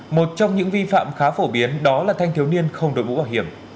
một trong những vi phạm khá phổ biến đó là thanh thiếu niên không đội mũ bảo hiểm